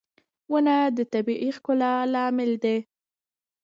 • ونه د طبيعي ښکلا لامل دی.